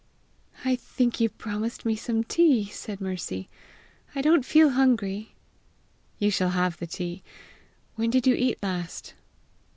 "I think you promised me some tea!" said Mercy. "I don't feel hungry." "You shall have the tea. When did you eat last?"